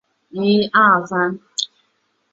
民国九年肄业于金陵警官学校。